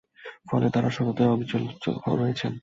ফলে তারা সততায় অবিচল রয়েছেন।